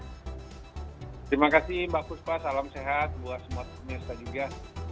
terima kasih mbak salam sehat buat semuanya juga